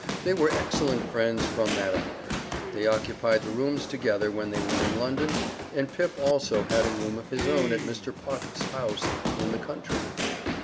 They were excellent friends from that hour. They occupied the rooms together when they were in London, and Pip also had a room of his own at Mr. Pocket's house in the country.